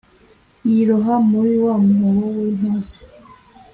yiroha muri wa mwobo w'intozi